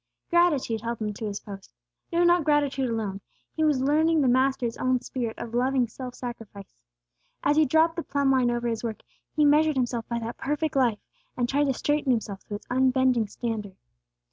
Gratitude held him to his post. No, not gratitude alone; he was learning the Master's own spirit of loving self sacrifice. As he dropped the plumb line over his work, he measured himself by that perfect life, and tried to straighten himself to its unbending standard.